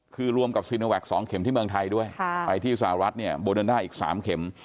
คือรวมกับซีนวัคสองเข็มที่เมืองไทยด้วยค่ะไปที่สหรัฐเนี่ยบนด้านหน้าอีกสามเข็ม